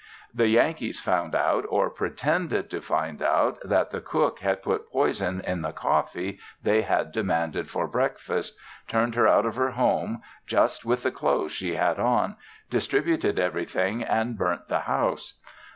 The Yankees found out, or pretended to find out that the cook had put poison in the coffee they had demanded for breakfast, turned her out of her home, just with the clothes she had on, distributed everything and burnt the house.